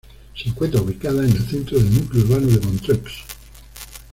Se encuentra ubicada en el centro del núcleo urbano de Montreux.